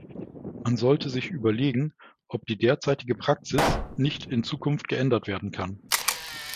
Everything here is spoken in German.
Man sollte sich überlegen, ob die derzeitige Praxis nicht in Zukunft geändert werden kann.